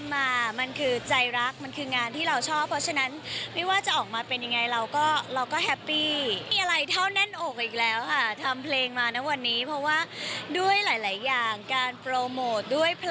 มันช่วงนั้นมันเป็นยุคของแน่นโอกาส